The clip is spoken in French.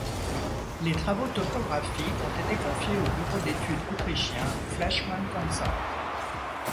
Les travaux topographiques ont été confiés au bureau d'étude autrichien Fleschmann Consult.